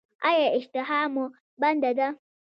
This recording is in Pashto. ایا اشتها مو بنده ده؟